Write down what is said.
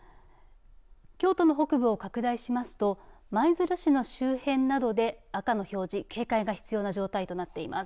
京都の北部を拡大しますと舞鶴市の周辺などで赤の表示、警戒が必要な状態となっています。